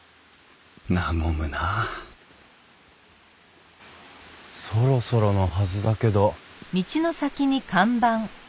和むなあそろそろのはずだけど。